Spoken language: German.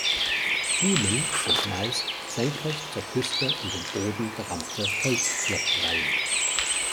Buhnen sind meist senkrecht zur Küste in den Boden gerammte Holzpflockreihen.